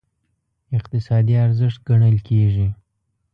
اقتصادي ارزښت ګڼل کېږي.